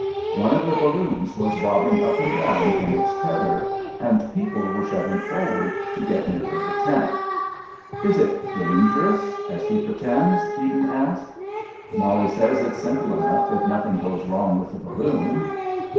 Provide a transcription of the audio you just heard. One of the balloons was bobbing up and down in its tether and people were shoving forward to get nearer the tent. "Is it dangerous, as he pretends?" Eden asked. "Molly says it's simple enough if nothing goes wrong with the balloon.